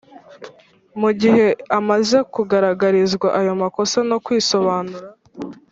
Mu gihe amaze kugaragarizwa ayo makosa no kwisobanura,